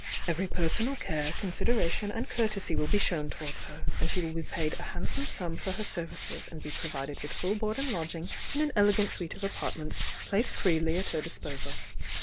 Every personal care, consideration and courtesy will be shown towards her, and she will be paid a handsome sum for her services and be provided with full board and lodging in an ele gant suite of apartments placed freely at her dis THE YOUNG DIANA 85 posal.